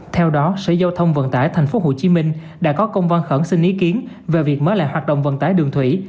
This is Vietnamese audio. theo đó sở giao thông vận tải tp hcm đã có công văn khẩn xin ý kiến về việc mới lại hoạt động vận tải đường thủy